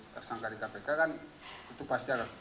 persangka di kpk kan itu pasti agak